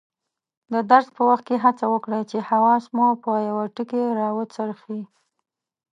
د درس په وخت هڅه وکړئ چې حواس مو په یوه ټکي راوڅرخي.